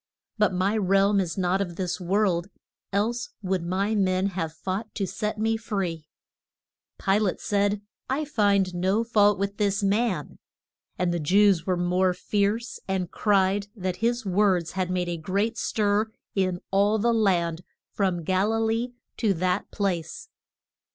But my realm is not of this world, else would my men have fought to set me free. [Illustration: "BE HOLD THE MAN."] Pi late said, I find no fault with this man. And the Jews were more fierce, and cried that his words had made a great stir in all the land from Gal i lee to that place.